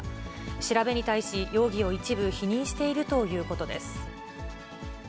調べに対し、容疑を一部否認しているということです。